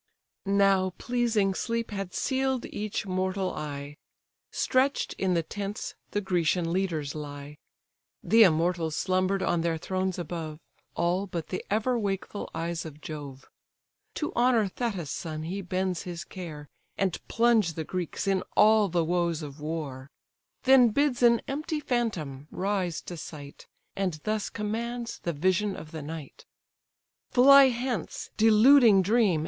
Now pleasing sleep had seal'd each mortal eye, Stretch'd in the tents the Grecian leaders lie: The immortals slumber'd on their thrones above; All, but the ever wakeful eyes of Jove. To honour Thetis' son he bends his care, And plunge the Greeks in all the woes of war: Then bids an empty phantom rise to sight, And thus commands the vision of the night. "Fly hence, deluding Dream!